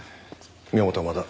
宮本はまだ？